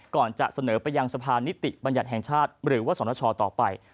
ก่อนจะเสนอไปยังสะพานิติบัญญัติแห่งชาติหรือว่าสนชต่อไป